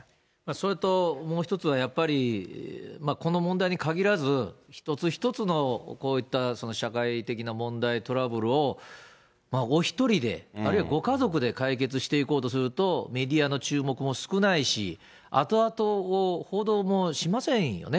それともう一つは、やっぱりこの問題に限らず、一つ一つのこういった社会的な問題、トラブルをお一人で、あるいはご家族で解決していこうとすると、メディアの注目も少ないし、後々報道もしませんよね。